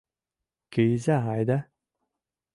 Кийыза айда.